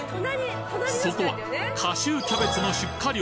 そこは夏秋キャベツの出荷量